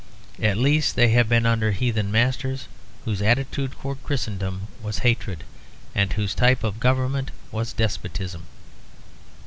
At least they have been under heathen masters whose attitude towards Christendom was hatred and whose type of government was despotism.